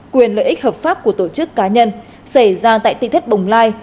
quyền lợi ích hợp pháp của tổ chức cá nhân xảy ra tại tỉnh thết bồng lai